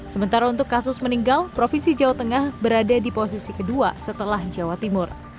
sementara untuk kasus meninggal provinsi jawa tengah berada di posisi kedua setelah jawa timur